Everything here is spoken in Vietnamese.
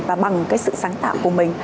và bằng cái sự sáng tạo của mình